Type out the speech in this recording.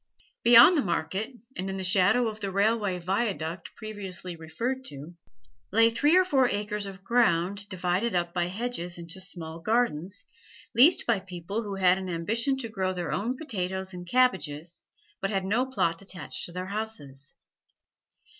Beyond the market, and in the shadow of the railway viaduct previously referred to, lay three or four acres of ground divided up by hedges into small gardens, leased by people who had an ambition to grow their own potatoes and cabbages, but had no plot attached to their houses.